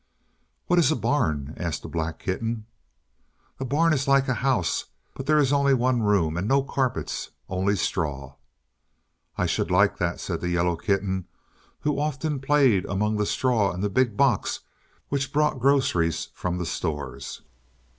"What is a barn?" asked the black kitten. "A barn is like a house, but there is only one room, and no carpets, only straw." "I should like that," said the yellow kitten, who often played among the straw in the big box which brought groceries from the Stores.